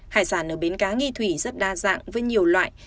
hải sản ở bến cá nghi thủy rất đa dạng với nhiều loại